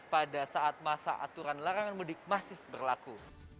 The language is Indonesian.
pada saat masa aturan larangan mudik masih berlaku